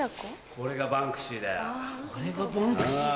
これがバンクシーかぁ。